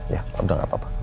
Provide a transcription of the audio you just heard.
ya udah gak apa apa